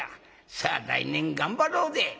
さあ来年頑張ろうで！」。